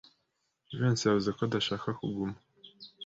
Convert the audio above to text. Jivency yavuze ko adashaka kuguma.